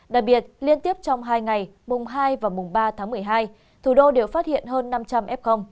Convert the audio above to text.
đặc biệt liên tiếp trong hai ngày mùng hai và mùng ba tháng một mươi hai thủ đô đều phát hiện hơn năm trăm linh f